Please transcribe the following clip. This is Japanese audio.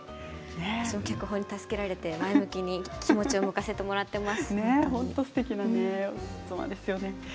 私も助けられて前向きに気持ちを向かせてもらっています。